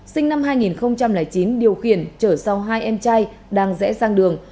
sinh năm hai nghìn chín điều khiển chở sau hai em trai đang rẽ sang đường